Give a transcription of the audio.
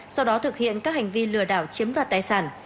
sau đó thực hiện các hành vi lừa đảo chiếm đoạt tài sản